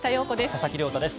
佐々木亮太です。